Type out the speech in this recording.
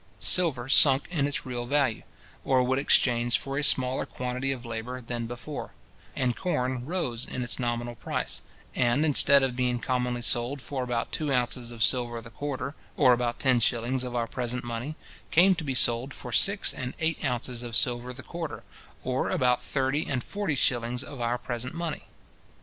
Silver sunk in its real value, or would exchange for a smaller quantity of labour than before; and corn rose in its nominal price, and, instead of being commonly sold for about two ounces of silver the quarter, or about ten shillings of our present money, came to be sold for six and eight ounces of silver the quarter, or about thirty and forty shillings of our present money.